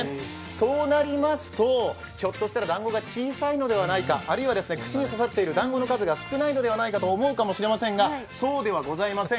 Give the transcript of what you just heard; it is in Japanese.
そうなりますと、ひょっとしたらだんごが小さいのではないか、あるいは串に刺さっているだんごの数が少ないのではないかと思いますがそうではございません。